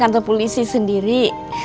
kantor polisi sendiri